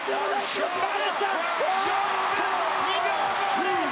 ４分２秒５０！